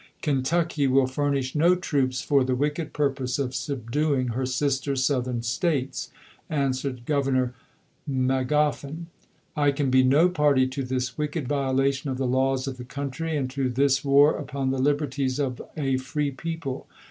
"Kentucky will furnish no troops for the wicked purpose of subduing her sister Southern States," answered Grovernor Magoffin. "I can be no party to this wicked violation of the laws of the country, and to this war upon the liberties of a free people.